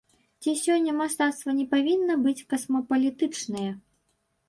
Ці сёння мастацтва не павінна быць касмапалітычнае?